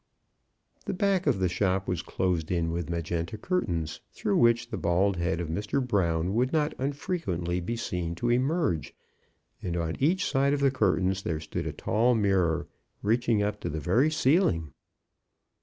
The back of the shop was closed in with magenta curtains, through which the bald head of Mr. Brown would not unfrequently be seen to emerge; and on each side of the curtains there stood a tall mirror, reaching up to the very ceiling.